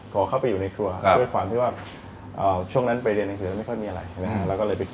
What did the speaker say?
ด้วยความที่ว่าช่วงนั้นไปเรียนในครัวแล้วไม่ค่อยมีอะไร